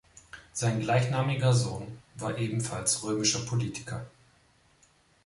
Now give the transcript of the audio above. Sein gleichnamiger Sohn war ebenfalls römischer Politiker.